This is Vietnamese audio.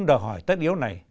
đòi hỏi tất yếu này